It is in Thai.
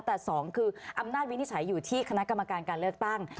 แต่สองคืออำนาจวินิจฉัยอยู่ที่คณะกรรมการการเลือกตั้ง